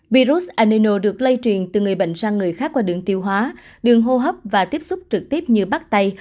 virus enino được lây truyền từ người bệnh sang người khác qua đường tiêu hóa đường hô hấp và tiếp xúc trực tiếp như bắt tay